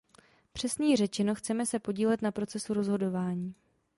Přesněji řečeno chceme se podílet na procesu rozhodování.